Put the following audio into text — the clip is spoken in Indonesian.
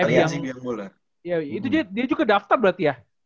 itu dia juga daftar berarti ya